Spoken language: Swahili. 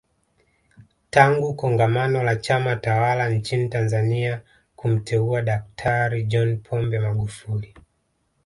Tangu kongamano la Chama tawala nchini Tanzania kumteua Daktari John Pombe Magufuli